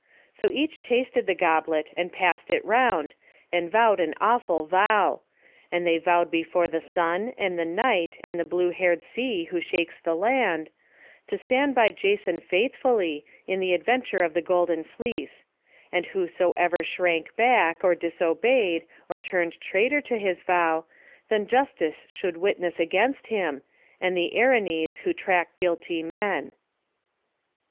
So each tasted the goblet, and passed it round, and vowed an awful vow; and they vowed before the sun, and the night, and the blue haired sea who shakes the land, to stand by Jason faithfully, in the adventure of the golden fleece; and whosoever shrank back, or disobeyed, or turned traitor to his vow, then justice should witness against him, and the Erinnes who track guilty men.